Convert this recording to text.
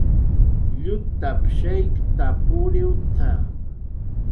"Llutap"" shaykta puriwq""t""a "